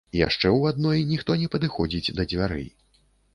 Яшчэ ў адной ніхто не падыходзіць да дзвярэй.